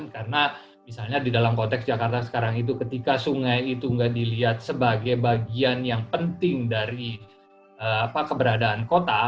karena misalnya di dalam konteks jakarta sekarang itu ketika sungai itu nggak dilihat sebagai bagian yang penting dari keberadaan kota